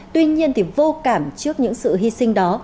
tuy nhiên thì vô cảm trước những sự hy sinh đó